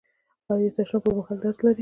ایا د تشناب پر مهال درد لرئ؟